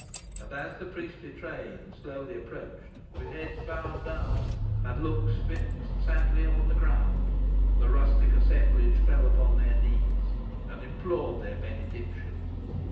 And as the priestly train slowly approached, with heads bowed down, and looks fixed sadly upon the ground, the rustic assemblage fell upon their knees, and implored their benediction.